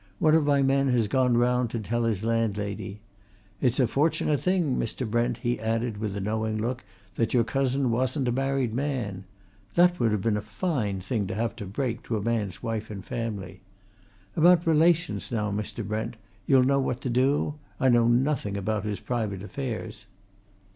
One of my men has gone round to tell his landlady. It's a fortunate thing, Mr. Brent," he added with a knowing look, "that your cousin wasn't a married man! This would have been a fine thing to have to break to a man's wife and family! About relations, now, Mr. Brent, you'll know what to do? I know nothing about his private affairs."